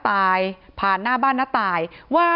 ที่มีข่าวเรื่องน้องหายตัว